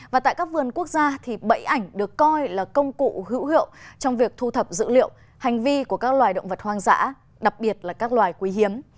và tại các vườn quốc gia thì bẫy ảnh được coi là công cụ hữu hiệu trong việc thu thập dữ liệu hành vi của các loài động vật hoang dã đặc biệt là các loài quý hiếm